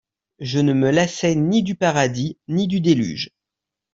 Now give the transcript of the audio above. Je ne me lassais ni du Paradis ni du Deluge.